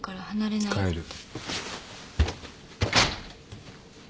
帰る。